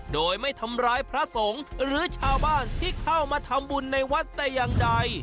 โดยไม่ทำร้ายพระสงฆ์หรือชาวบ้านที่เข้ามาทำบุญในวัดแต่อย่างใด